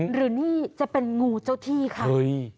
หรือนี่จะเป็นงูเจ้าที่ค่ะ